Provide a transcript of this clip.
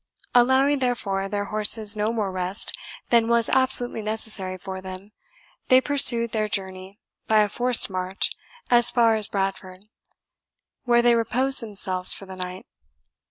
Allowing, therefore, their horses no more rest than was absolutely necessary for them, they pursued their journey by a forced march as far as Bradford, where they reposed themselves for the night.